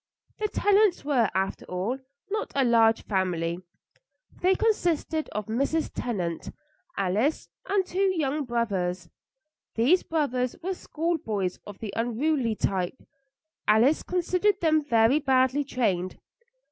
The Tennants were, after all, not a large family. They consisted of Mrs. Tennant, Alice, and two young brothers. These brothers were schoolboys of the unruly type. Alice considered them very badly trained.